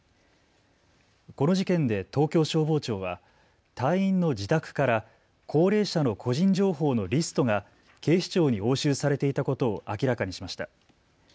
この事件で東京消防庁は隊員の自宅から高齢者の個人情報のリストが警視庁に押収されていたことを明らかにしました。